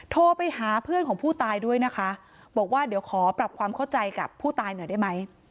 โทรไปหาเพื่อนของผู้ตายด้วยนะคะบอกว่าเดี๋ยวขอปรับความเข้าใจกับผู้ตายหน่อยได้ไหม